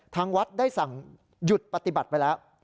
ทางวัดได้สั่งหยุดปฏิบัติไปแล้ว